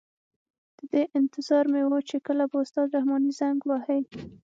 د دې انتظار مې وه چې کله به استاد رحماني زنګ را وهي.